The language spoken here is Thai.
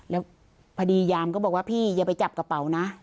แล้วพอดียามก็บอกว่าพี่อย่าไปจับกระเป๋านะ